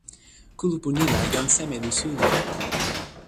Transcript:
kulupu ni la jan seme li suli?